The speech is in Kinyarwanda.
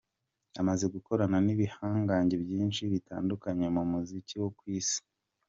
Amaze gukorana n’ibihangange byinshi bitandukanye mu muziki wo ku Isi.